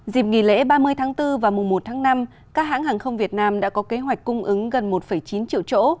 dịp nghỉ lễ ba mươi tháng bốn và mùa một tháng năm các hãng hàng không việt nam đã có kế hoạch cung ứng gần một chín triệu chỗ